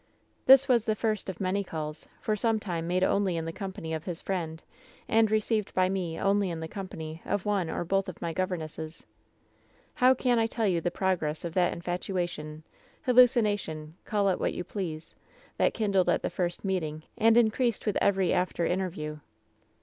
"This was the first of many calls — for some time made only in the company of his friend, and received by me only in the company of one or both of my governesses. "How can I tell you the progress of that infatuation, hallucination — call it what you please — that kindled at the first meeting, and increased with every after in terview